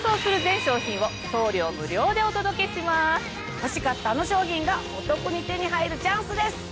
欲しかったあの商品がお得に手に入るチャンスです。